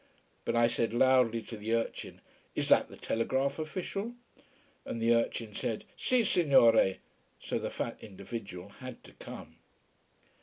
But I said loudly to the urchin: "Is that the telegraph official?" and the urchin said: "Si signore" so the fat individual had to come.